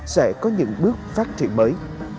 sẽ có những bước phát triển mới